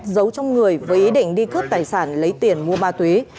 giấu trong người với ý định đi cướp tài sản lấy tiền mua ma túy